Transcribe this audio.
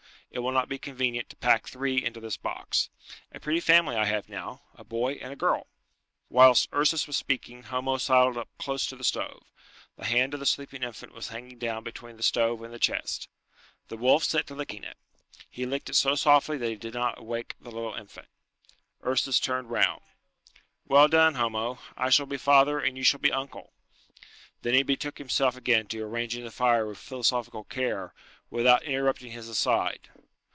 It will not be convenient to pack three into this box. A pretty family I have now! A boy and a girl!" Whilst Ursus was speaking, Homo sidled up close to the stove. The hand of the sleeping infant was hanging down between the stove and the chest. The wolf set to licking it. He licked it so softly that he did not awake the little infant. Ursus turned round. "Well done, Homo. I shall be father, and you shall be uncle." Then he betook himself again to arranging the fire with philosophical care, without interrupting his aside.